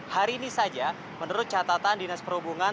hari ini saja menurut catatan dinas perhubungan